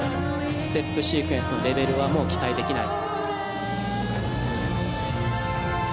ステップシークエンスのレベルはもう期待できない。